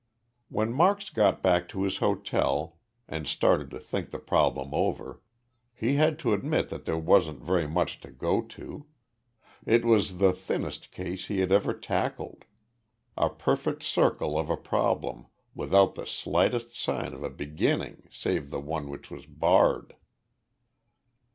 When Marks got back to his hotel and started to think the problem over, he had to admit that there wasn't very much to "go to." It was the thinnest case he had ever tackled a perfect circle of a problem, without the slightest sign of a beginning, save the one which was barred.